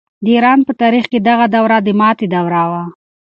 د ایران په تاریخ کې دغه دوره د ماتې دوره وه.